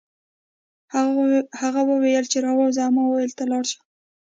هغه وویل چې راوځه او ما وویل ته لاړ شه